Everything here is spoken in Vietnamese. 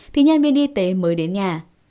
thì nhân viên y tế mới đến nhà